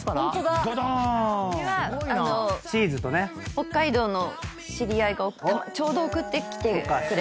北海道の知り合いがちょうど送ってきてくれたので。